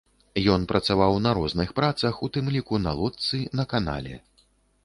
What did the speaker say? Ён працаваў на розных працах, у тым ліку на лодцы на канале.